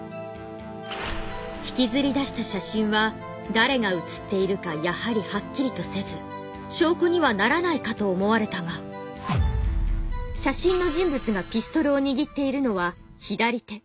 引きずり出した写真は誰が写っているかやはりはっきりとせず証拠にはならないかと思われたが写真の人物がピストルを握っているのは「左手」。